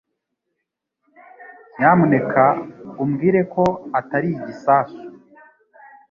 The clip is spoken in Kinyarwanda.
Nyamuneka umbwire ko atari igisasu